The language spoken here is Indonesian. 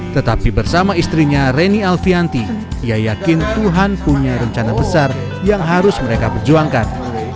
tetapi bersama istrinya reni alfianti ia yakin tuhan punya rencana besar yang harus mereka perjuangkan